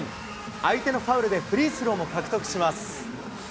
相手のファウルでフリースローも獲得します。